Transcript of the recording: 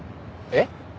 えっ？